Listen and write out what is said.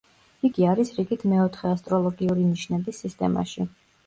იგი არის რიგით მეოთხე ასტროლოგიური ნიშნების სისტემაში.